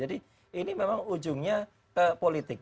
jadi ini memang ujungnya politik